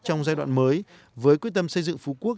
trong giai đoạn mới với quyết tâm xây dựng phú quốc